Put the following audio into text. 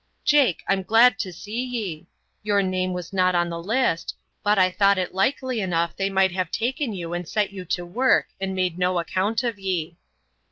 Jake, I'm glad to see ye. Your name was not in the list, but I thought it likely enough they might have taken you and set you to work, and made no account of ye."